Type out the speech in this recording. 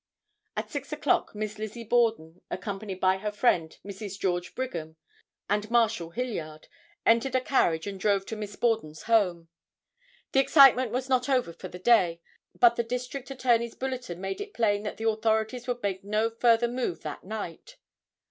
At 6 o'clock Miss Lizzie Borden, accompanied by her friend, Mrs. George Brigham, and Marshal Hilliard, entered a carriage and drove to Miss Borden's home. The excitement was not over for the day, but the District Attorney's bulletin made it plain that the authorities would make no further move that night.